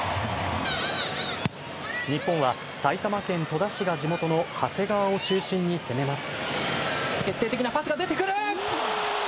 日本は埼玉県戸田市が地元の長谷川を中心に攻めます。